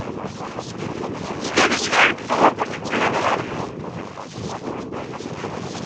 Zegren i sebɛa lebḥur, ur t-id-ttarran ɣer da.